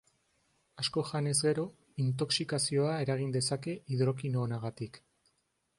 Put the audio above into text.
Asko janez gero, intoxikazioa eragin dezake hidrokinonagatik.